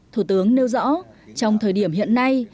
thủ tướng nêu rõ trong thời điểm hiện nay